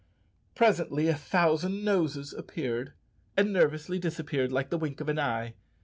Presently a thousand noses appeared, and nervously disappeared, like the wink of an eye.